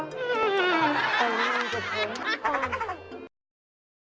เอาหน้ามากับผม